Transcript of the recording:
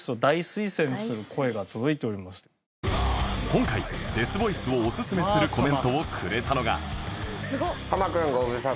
今回デスボイスをおすすめするコメントをくれたのが